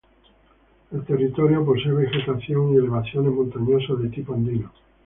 El territorio posee vegetación y elevaciones montañosas de tipo andino.